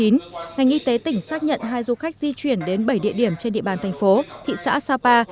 ngành y tế tỉnh xác nhận hai du khách di chuyển đến bảy địa điểm trên địa bàn thành phố thị xã sapa